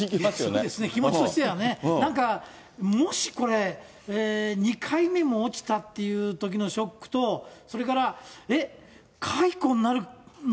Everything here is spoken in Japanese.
そうですね、気持ちとしては、なんか、もしこれ、２回目も落ちたっていうときのショックと、それから、えっ、解雇になるの？